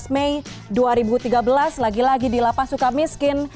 tujuh belas mei dua ribu tiga belas lagi lagi di lapas suka miskin